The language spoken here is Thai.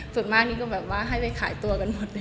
ส่วนมากนี่ก็แบบว่าให้ไปขายตัวกันหมดเลย